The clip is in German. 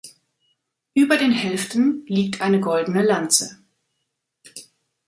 Über den Hälften liegt eine goldene Lanze.